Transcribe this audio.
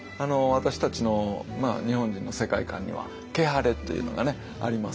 私たちの日本人の世界観には「ケ」「ハレ」というのがありますよね。